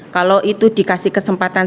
kalau itu dikasih kesempatan